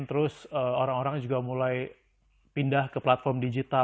terus orang orang juga mulai pindah ke platform digital